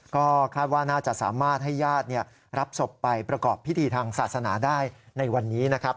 ก็คาดว่าน่าจะสามารถให้ญาติรับศพไปประกอบพิธีทางศาสนาได้ในวันนี้นะครับ